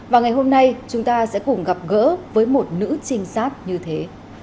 và ngày hôm nay chúng ta sẽ cùng gặp gỡ với một nữ trinh sát như thế